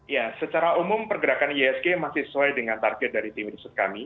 ya secara umum pergerakan isg masih sesuai dengan target dari tim riset kami